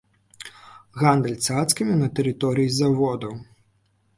Гандаль цацкамі на тэрыторыі заводу.